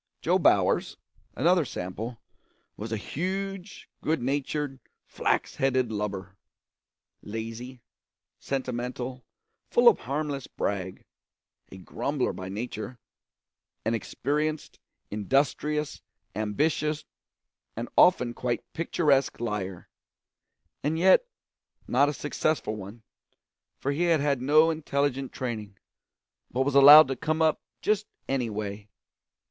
Jo Bowers, another sample, was a huge, good natured, flax headed lubber; lazy, sentimental, full of harmless brag, a grumbler by nature; an experienced, industrious, ambitious, and often quite picturesque liar, and yet not a successful one, for he had had no intelligent training, but was allowed to come up just any way.